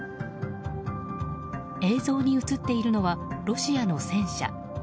映像に映っているのはロシアの戦車。